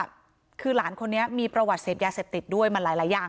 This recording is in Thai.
คือหลานคนนี้มีประวัติเสพยาเสพติดด้วยมันหลายอย่าง